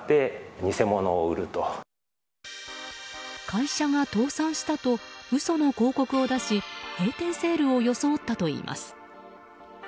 会社が倒産したと嘘の広告を出し閉店セールを装ったといいます。